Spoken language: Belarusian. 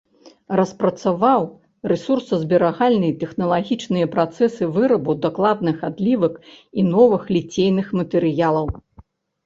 Распрацаваў рэсурсазберагальныя тэхналагічныя працэсы вырабу дакладных адлівак і новых ліцейных матэрыялаў.